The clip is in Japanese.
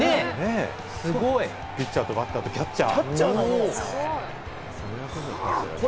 すごい！ピッチャーとバッターとキャッチャー。